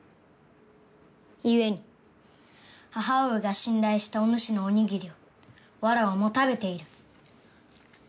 ゆえに母上が信頼したおぬしのおにぎりをわらわも食べている。